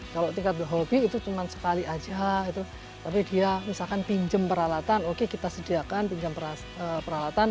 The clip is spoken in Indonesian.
kalau tingkat hobi itu cuma sekali aja tapi dia misalkan pinjam peralatan oke kita sediakan pinjam peralatan